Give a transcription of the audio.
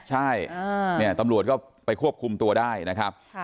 ใช่เนี่ยตำรวจก็ไปควบคุมตัวได้นะครับ